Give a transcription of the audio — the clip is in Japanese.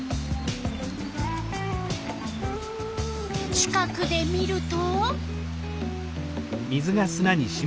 近くで見ると？